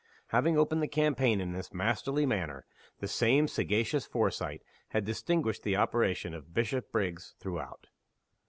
Having opened the campaign in this masterly manner, the same sagacious foresight had distinguished the operations of Bishopriggs throughout.